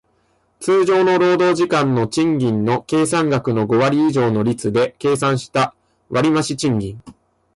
通常の労働時間の賃金の計算額の五割以上の率で計算した割増賃金